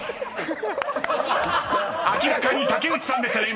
［明らかに竹内さんでしたね］